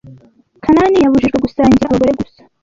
Kanani yabujijwe gusangira abagore gusa.